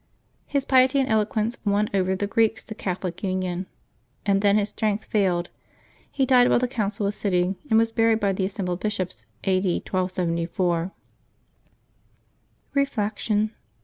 His piety and eloquence won oyer the Greeks to Catholic union, and then his strength failed. He died while the Council was sitting, and was buried by the assembled bishops, A. D. 1274. Reflection.